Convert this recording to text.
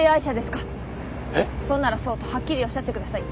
そうならそうとはっきりおっしゃってください。